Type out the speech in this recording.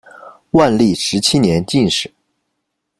万历十七年进士。